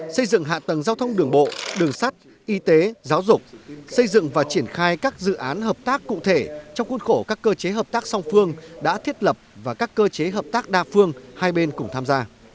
xây dựng hạ tầng giao thông đường bộ đường sắt y tế giáo dục xây dựng và triển khai các dự án hợp tác cụ thể trong khuôn khổ các cơ chế hợp tác song phương đã thiết lập và các cơ chế hợp tác đa phương hai bên cùng tham gia